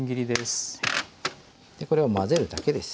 これを混ぜるだけです。